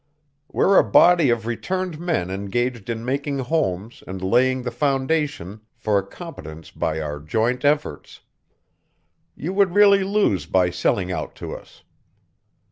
We're a body of returned men engaged in making homes and laying the foundation for a competence by our joint efforts. You would really lose by selling out to us.